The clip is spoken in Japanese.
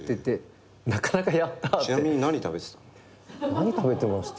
何食べてました？